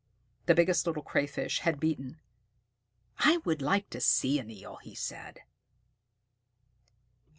The Biggest Little Crayfish had beaten. "I would like to see an Eel," said he.